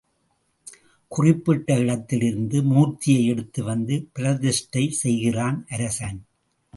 குறிப்பிட்ட இடத்தில் இருந்த மூர்த்தியை எடுத்து வந்து பிரதிஷ்டை செய்கிறான் அரசன்.